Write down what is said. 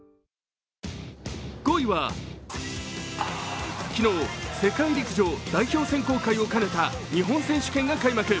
５位は、昨日世界陸上代表選考会を兼ねた日本選手権が開幕。